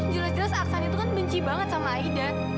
jelas jelas aksan itu kan benci banget sama aida